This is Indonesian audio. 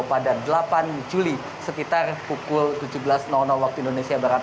pada delapan juli sekitar pukul tujuh belas waktu indonesia barat